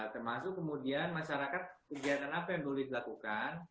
termasuk kemudian masyarakat kegiatan apa yang boleh dilakukan